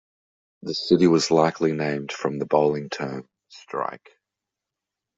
The city was likely named from the bowling term "strike".